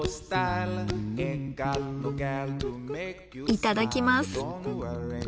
いただきます。